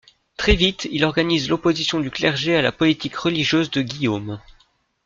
Très vite il organise l'opposition du clergé à la politique religieuse de Guillaume.